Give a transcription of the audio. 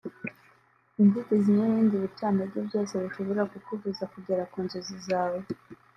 inzitizi n’ ibindi bicantege byose bishobora kukubuza kugera ku nzozi zawe